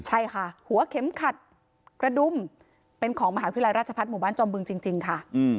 ใช่ค่ะหัวเข็มขัดกระดุมเป็นของมหาวิทยาลัยราชพัฒน์หมู่บ้านจอมบึงจริงค่ะ